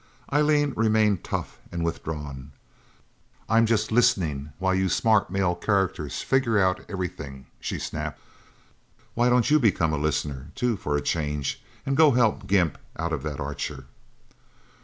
Eileen remained tough and withdrawn. "I'm just listening while you smart male characters figure out everything," she snapped. "Why don't you become a listener, too, for a change, and go help Gimp out of that Archer?"